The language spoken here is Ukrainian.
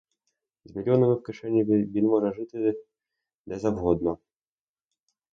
З мільйонами в кишені він зможе жити де завгодно.